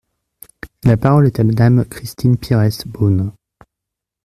La parole est à Madame Christine Pires Beaune.